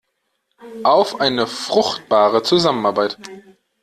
Auf eine fruchtbare Zusammenarbeit!